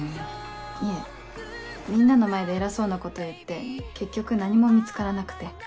いえみんなの前で偉そうなこと言って結局何も見つからなくて。